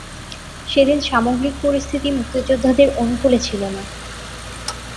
সেদিন সামগ্রিক পরিস্থিতি মুক্তিযোদ্ধাদের অনুকূলে ছিল না।